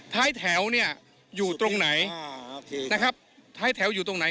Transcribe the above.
ท้ายแถวเนี่ยอยู่ตรงไหนนะครับท้ายแถวอยู่ตรงไหน